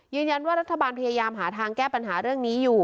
รัฐบาลพยายามหาทางแก้ปัญหาเรื่องนี้อยู่